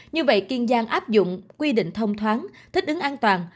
như vậy kiên giang áp dụng quy định thông thoáng thích ứng an toàn